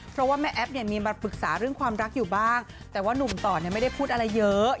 เพราะว่าแม่แอ๊บเนี่ยมีมาปรึกษาเรื่องความรักอยู่บ้างแต่ว่านุ่มต่อเนี่ยไม่ได้พูดอะไรเยอะ